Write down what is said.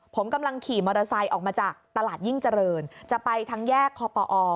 ผมกำลังขี่มอเตอร์ไซค์ออกมาจากตลาดยิ่งเจริญจะไปทางแยกคอปอ